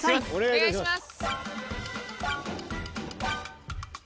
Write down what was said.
お願いします。